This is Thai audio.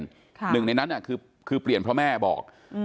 ค่ะหนึ่งในนั้นน่ะคือคือเปลี่ยนเพราะแม่บอกอืม